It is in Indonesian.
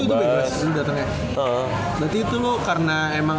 berarti itu karena emang